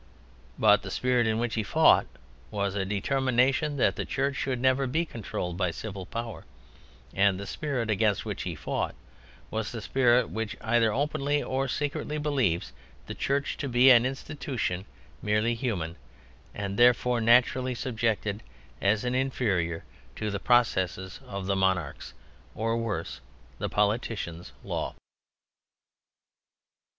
But the spirit in which he fought was a determination that the Church should never be controlled by the civil power, and the spirit against which he fought was the spirit which either openly or secretly believes the Church to be an institution merely human, and therefore naturally subjected, as an inferior, to the processes of the monarch's (or, worse, the politician's) law.